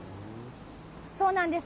そうなんです。